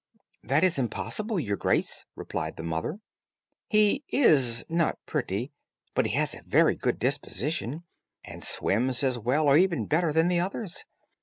"That is impossible, your grace," replied the mother; "he is not pretty; but he has a very good disposition, and swims as well or even better than the others.